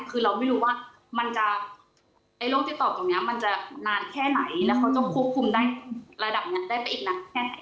คือเราไม่รู้ว่ามันจะไอ้โรคติดต่อตรงนี้มันจะนานแค่ไหนแล้วเขาจะควบคุมได้ระดับนั้นได้ไปอีกนานแค่ไหน